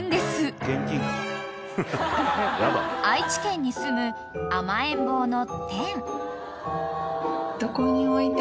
［愛知県に住む甘えん坊の］